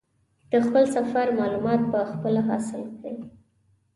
د خپل سفر معلومات په خپله حاصل کړي.